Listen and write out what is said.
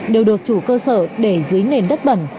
đều được chủ cơ sở để dưới nền đất bẩn